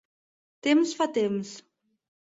Temps fa temps.